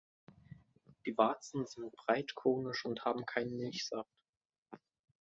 Die Warzen sind breit konisch und haben keinen Milchsaft.